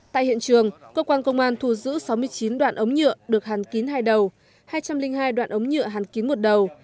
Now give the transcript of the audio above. tại hiện trường cơ quan công an thu giữ sáu mươi chín đoạn ống nhựa được hàn kín hai đầu hai trăm linh hai đoạn ống nhựa hàn kín một đầu